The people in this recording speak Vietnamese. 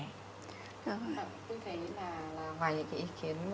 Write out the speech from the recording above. tôi thấy là ngoài những cái ý kiến